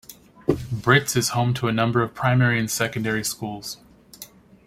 Brits is home to a number of Primary and Secondary Schools.